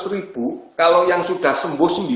seratus ribu kalau yang sudah sembuh